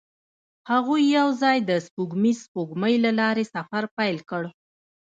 هغوی یوځای د سپوږمیز سپوږمۍ له لارې سفر پیل کړ.